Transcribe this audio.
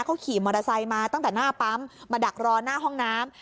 เขาขี่มอเตอร์ไซค์มาตั้งแต่หน้าปั๊มมาดักรอหน้าห้องน้ำ